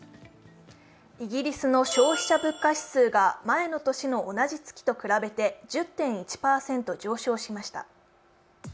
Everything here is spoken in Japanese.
イギリスの消費者物価指数が前の年の同じ月と比べて１０．１％上昇しました。